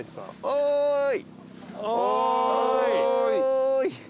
おい！